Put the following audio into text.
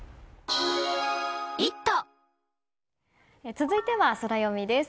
続いてはソラよみです。